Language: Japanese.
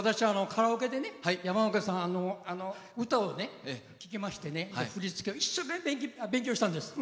カラオケで山内さんの歌を聴きまして振り付けを一生懸命勉強したんです。